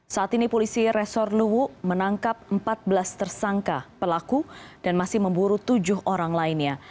saat ini polisi resor luwu menangkap empat belas tersangka pelaku dan masih memburu tujuh orang lainnya